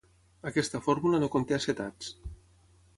Aquesta fórmula no conté acetats.